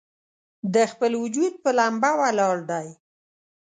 د خپل وجود پۀ ، لمبه ولاړ دی